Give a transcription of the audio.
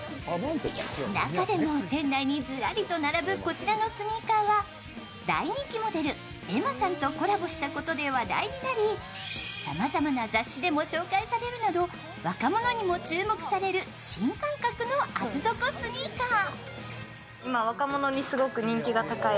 中でも店内にズラリと並ぶこちらのスニーカーは、大人気モデルｅｍｍａさんとコラボしたことで話題となりさまざまな雑誌でも紹介されるなど若者にも注目される新感覚の厚底スニーカー。